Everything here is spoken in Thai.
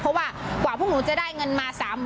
เพราะว่ากว่าพวกหนูจะได้เงินมา๓๐๐๐